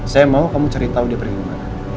saya mau kamu cari tahu dia pergi kemana